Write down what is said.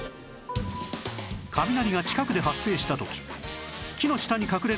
雷が近くで発生した時木の下に隠れるのは正しい？